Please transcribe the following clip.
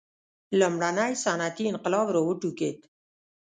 لومړنی صنعتي انقلاب را وټوکېد.